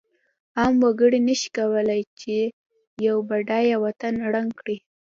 عام وګړی نشی کولای چې یو بډایه وطن ړنګ کړی.